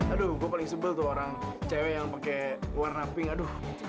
aduh gue paling sebel tuh orang cewek yang pakai warna pink aduh